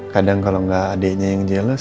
kadang kalau gak adeknya yang jeles